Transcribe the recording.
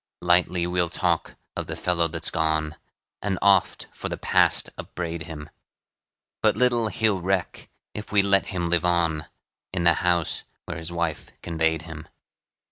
Lightly we'll talk of the fellow that's gone, And oft for the past upbraid him; But little he'll reck if we let him live on, In the house where his wife conveyed him.